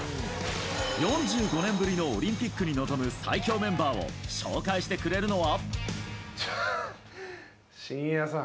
４５年ぶりのオリンピックに臨む最強メンバーを紹介してくれるのは。